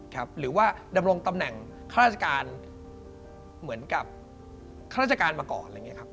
หรือว่าดำรงตำแหน่งข้าราชการเหมือนกับข้าราชการมาก่อนอะไรอย่างนี้ครับ